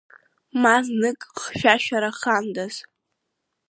Ма знык хьшәашәарахандаз!